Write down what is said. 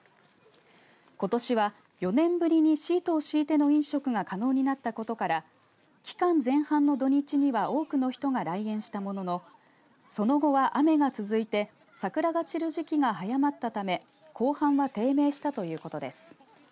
ことしは４年ぶりにシートを敷いての飲食が可能になったことから期間前半の土日には多くの人が来園したもののその後は雨が続いて桜が散る時期が早まったため後半は低迷したということです。